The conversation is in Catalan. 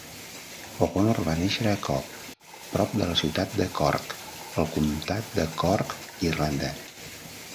O'Connor va néixer a Cobh, prop de la ciutat de Cork, al comtat de Cork, Irlanda.